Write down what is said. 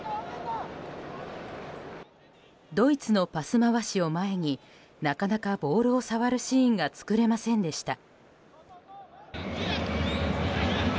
ドイツのパス回しを前になかなかボールを触るシーンが作れませんでした。